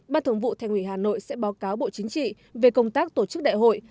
ban thường vụ thành ủy hà nội sẽ báo cáo bộ chính trị về công tác tổ chức đại hội